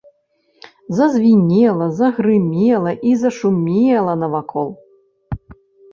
Зазвінела, загрымела і зашумела навакол.